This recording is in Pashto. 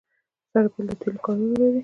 سرپل د تیلو کانونه لري